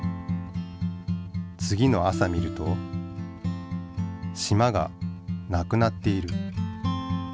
次の朝見るとしまが無くなっている。